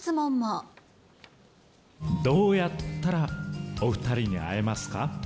どうやったらお２人に会えますか？